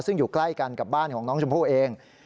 ซึ่งอยู่ใกล้กันกับบ้านของน้องชมพู่เอง